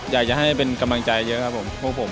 อยากจะให้เป็นกำลังใจเยอะครับผมพวกผม